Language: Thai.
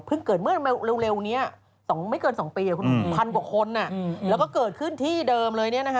เพิ่งเกิดเมื่อเร็วเนี่ยไม่เกิน๒ปีอะพันกว่าคนอะแล้วก็เกิดขึ้นที่เดิมเลยเนี่ยนะฮะ